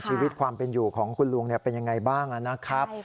ชีวิตความเป็นอยู่ของคุณลุงเป็นยังไงบ้างนะครับ